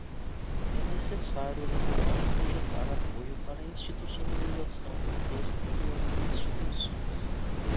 É necessário elaborar e projetar apoio para a institucionalização do cluster criando instituições.